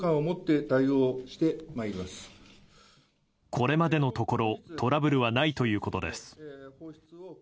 これまでのところトラブルはないということです。